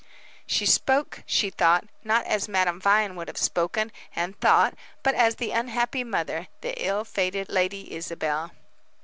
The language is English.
She spoke, she thought, not as Madame Vine would have spoken and thought, but as the unhappy mother, the ill fated Lady Isabel.